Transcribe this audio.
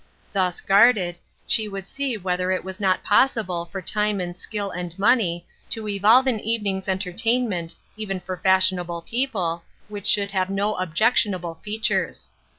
Thus guarded, she would see whether it was not possible for time and skill and money to evolve an evening's entertainment, even for fashionable people, which should have no objectionable feat ures.